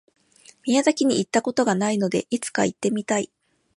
宮崎に行った事がないので、いつか行ってみたい。